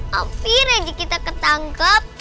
hampir aja kita ketangkep